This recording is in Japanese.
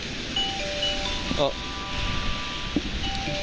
あっ。